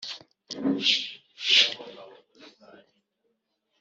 ariko yehova nakora ikintu kidasanzwe